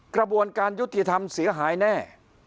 กระบวนการยุติธรรมเสียหายแน่